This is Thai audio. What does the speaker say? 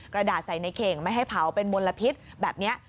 กระดาษใส่ในเข่งไม่ให้เผาเป็นมลพิษแบบนี้